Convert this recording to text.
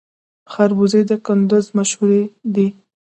خربوزې د کندز مشهورې دي